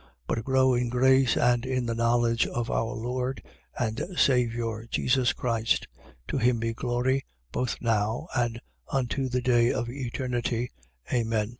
3:18. But grow in grace and in the knowledge of our Lord and Saviour Jesus Christ. To him be glory both now and unto the day of eternity, Amen.